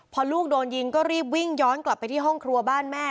พอลูกโดนยิงก็รีบวิ่งย้อนกลับไปที่ห้องครัวบ้านแม่